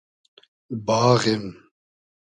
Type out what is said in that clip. باغیم